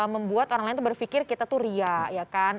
membuat orang lain berpikir kita tuh riak ya kan